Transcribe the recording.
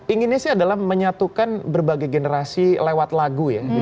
inginnya sih adalah menyatukan berbagai generasi lewat lagu ya